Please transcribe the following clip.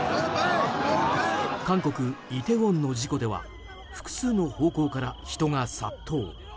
韓国イテウォンの事故では複数の方向から人が殺到。